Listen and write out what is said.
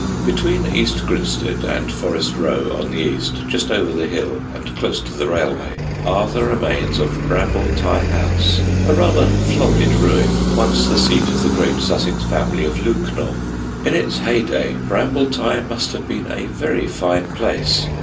Between East Grinstead and Forest Row, on the east, just under the hill and close to the railway, are the remains of Brambletye House, a rather florid ruin, once the seat of the great Sussex family of Lewknor. In its heyday Brambletye must have been a very fine place.